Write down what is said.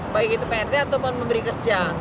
baik itu prt ataupun memberi kerja